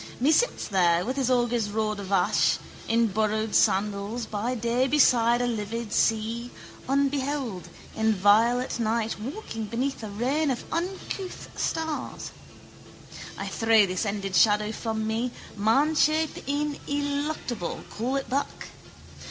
Me sits there with his augur's rod of ash, in borrowed sandals, by day beside a livid sea, unbeheld, in violet night walking beneath a reign of uncouth stars. I throw this ended shadow from me, manshape ineluctable, call it back.